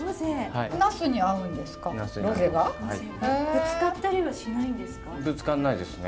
ぶつかったりはしないんですか？